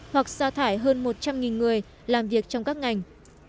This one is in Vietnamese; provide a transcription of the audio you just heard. hoặc xa thải hơn một trăm linh người làm việc trong các ngành